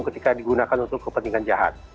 ketika digunakan untuk kepentingan jahat